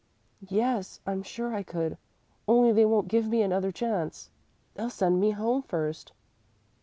"Yes; I'm sure I could, only they won't give me another chance. They'll send me home first."